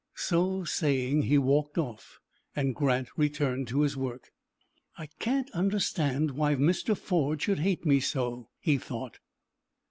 So saying, he walked off, and Grant returned to his work. "I can't understand why Mr. Ford should hate me so," he thought.